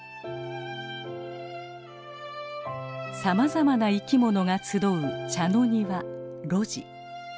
さまざまな生きものが集う茶の庭露地。